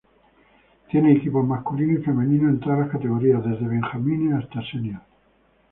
Tiene equipos masculinos y femeninos en todas las categorías, desde benjamines hasta senior.